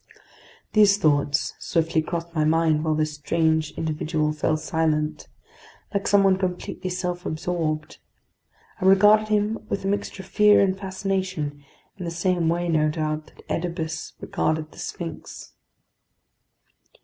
These thoughts swiftly crossed my mind while this strange individual fell silent, like someone completely self absorbed. I regarded him with a mixture of fear and fascination, in the same way, no doubt, that Oedipus regarded the Sphinx.